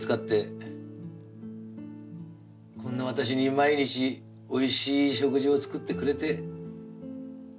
こんな私に毎日おいしい食事を作ってくれて。